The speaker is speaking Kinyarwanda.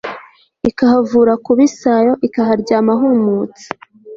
Ikahavura kuba isayo Ikaharyama humutse